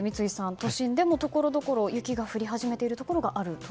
都心でもところどころ雪が降り始めているところがあると。